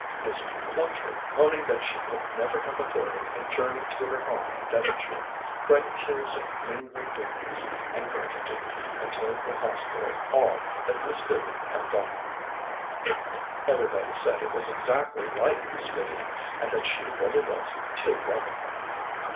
Miss Plumtree, owning that she could never have afforded a journey to her home in Devonshire, cried tears of mingled weakness and gratitude, and told the Hostel all that Miss Vivian had done. Everybody said it was exactly like Miss Vivian, and that she really was too wonderful.